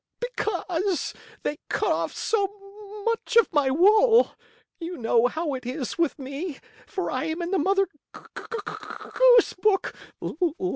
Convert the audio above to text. "Because they cut off so much of my wool. You know how it is with me, for I am in the Mother Goose book.